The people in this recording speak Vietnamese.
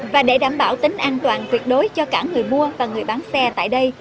và để đảm bảo tính an toàn tuyệt đối cho cả người mua và người bán xe tại đây